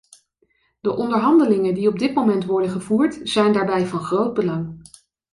De onderhandelingen die op dit moment worden gevoerd, zijn daarbij van groot belang.